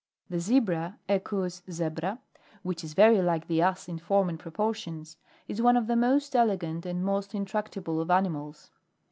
22. The Zebra, Equus Zebra, which is very like the Ass in form and proportions, is one of the most elegant and most intrac tible of animals.